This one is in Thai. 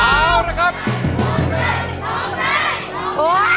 เอาละครับ